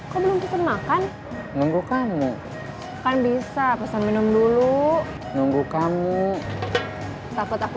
kau belum pesan makan nunggu kamu kan bisa pesan minum dulu nunggu kamu takut aku